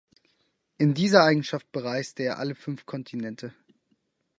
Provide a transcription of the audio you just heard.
In dieser Eigenschaft bereiste er alle fünf Kontinente.